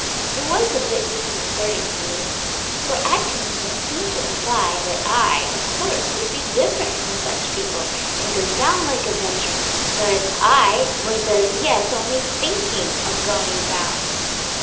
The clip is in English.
It was a bit disconcerting to me, for Atkinson seemed to imply that I, of course, would be different from such people, and go down like a veteran, whereas I was as yet only thinking of going down!